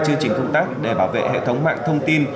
chương trình công tác để bảo vệ hệ thống mạng thông tin